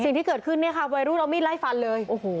สิ่งที่เกิดขึ้นเนี่ยค่ะวัยรุ่นเอามีดไล่ฟันเลยโอ้โห